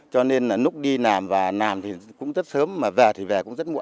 cho nên là nút đi nàm và nàm thì cũng rất sớm mà về thì về cũng rất muộn